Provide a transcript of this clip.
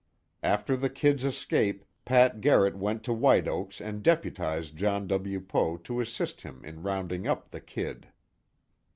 After the "Kid's" escape, Pat Garrett went to White Oaks and deputized John W. Poe to assist him in rounding up the "Kid."